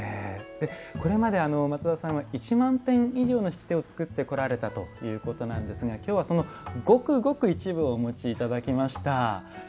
これまで松田さんは１万点以上の引き手を作ってこられたということなんですが今日はそのごくごく一部をお持ちいただきました。